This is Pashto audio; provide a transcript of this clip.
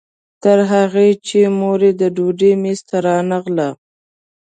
تر هغې چې مور یې د ډوډۍ میز ته رانغله.